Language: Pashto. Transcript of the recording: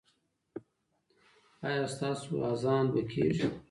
ایا ستاسو اذان به کیږي؟